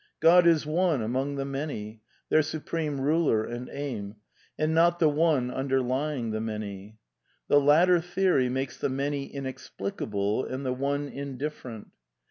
God is one among tiie Many, their supreme ruler and aim, and not the One under lying the Many. The latter theory makes the Many inexplica ble and the One indifferent.